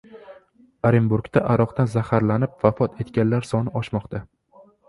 Orenburgda aroqdan zaharlanib vafot etganlar soni oshmoqda